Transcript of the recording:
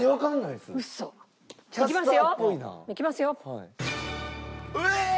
いきますよ。